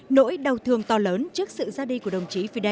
nỗi đau thương to lớn trước sự ra đi của đồng chí fidel